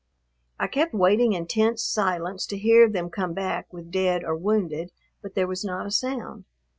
I kept waiting in tense silence to hear them come back with dead or wounded, but there was not a sound.